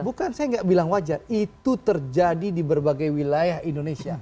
bukan saya nggak bilang wajar itu terjadi di berbagai wilayah indonesia